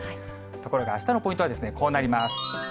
ところがあしたのポイントはこうなります。